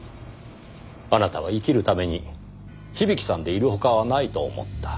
あなたは生きるために響さんでいる他はないと思った。